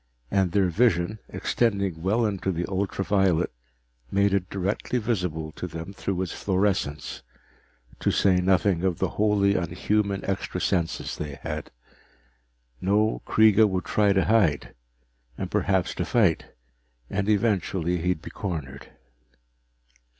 And their vision, extending well into the ultra violet, made it directly visible to them through its fluorescence to say nothing of the wholly unhuman extra senses they had. No, Kreega would try to hide, and perhaps to fight, and eventually he'd be cornered.